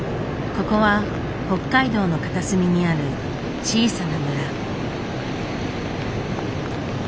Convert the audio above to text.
ここは北海道の片隅にある小さな村。